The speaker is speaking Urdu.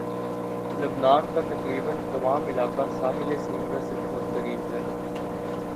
لبنان کا تقریباً تمام علاقہ ساحل سمندر سے بہت قریب ہے